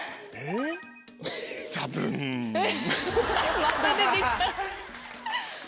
えっ？